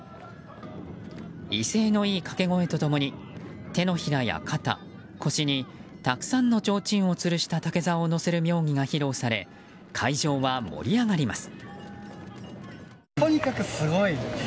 威勢のいい掛け声と共に手のひらや肩、腰にたくさんのちょうちんをつるした竹ざおを乗せる妙技が披露され会場は盛り上がります。